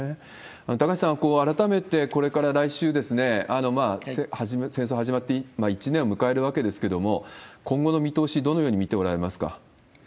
高橋さん、改めて、これから来週、戦争始まって１年を迎えるわけですけれども、今後の見通し、どのように見ておられますか？